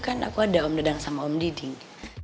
kan aku ada om dedang sama om diding